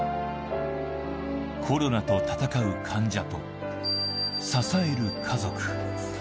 コロナと闘う患者と、支える家族。